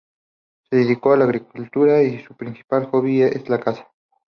Se dedicó a la agricultura y su principal hobby es la caza.